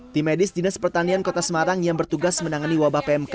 tim medis dinas pertanian kota semarang yang bertugas menangani wabah pmk